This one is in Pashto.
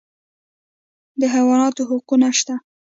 د حیواناتو حقونه شته